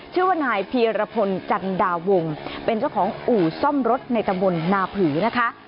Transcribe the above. ชื่อว่านายเพียรพลจันดาวงเป็นเจ้าของอู่ซ่อมรถในตำบลนาผือนะคะ